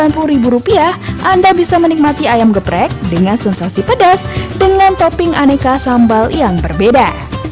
dengan harga rp satu ratus sembilan puluh anda bisa menikmati ayam geprek dengan sensasi pedas dengan topping aneka sambal yang berbeda